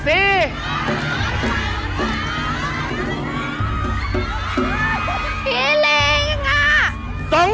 อิลิงอ่ะ